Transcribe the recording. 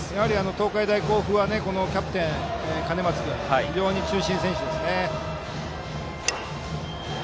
東海大甲府はキャプテンの兼松君が非常に中心選手ですね。